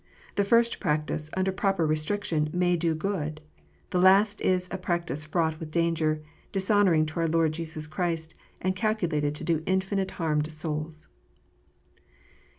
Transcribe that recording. The first practice, under proper restriction, " may do good ; the last is a practice fraught with danger, dishonouring to our Lord Jesus Christ, and calculated to do infinite harm to souls.